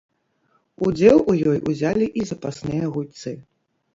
Удзел у ёй узялі і запасныя гульцы.